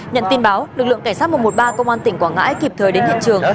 nhận tin báo lực lượng cảnh sát một trăm một mươi ba công an tỉnh quảng ngãi kịp thời đến hiện trường